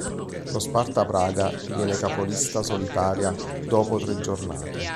Lo Sparta Praga diviene capolista solitaria dopo tre giornate.